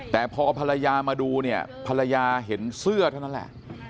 แต่พอภรรยามาดูเนี่ยภรรยาเห็นเสื้อเท่านั้นแหละ